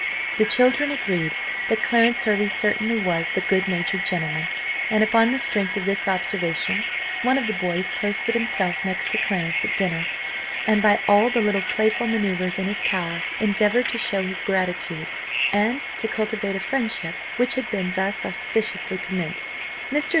The children agreed that Clarence Hervey certainly was the good natured gentleman, and upon the strength of this observation, one of the boys posted himself next to Clarence at dinner, and by all the little playful manoeuvres in his power endeavoured to show his gratitude, and to cultivate a friendship which had been thus auspiciously commenced. Mr.